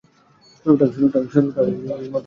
শুরুটা তার দূর্দান্ত হয়েছিল।